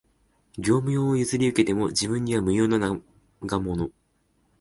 業務用を譲り受けても、自分には無用の長物